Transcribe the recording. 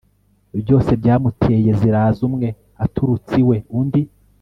byose byamuteye ziraza umwe aturutse iwe undi